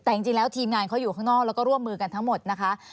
แต่จริงแล้วทีมงานเขาอยู่ข้างนอกแล้วก็ร่วมมือกันทั้งหมดนะคะ